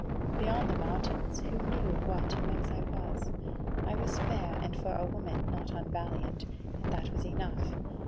Beyond the mountains, who knew what and whence I was? I was fair, and for a woman not unvaliant, and that was enough.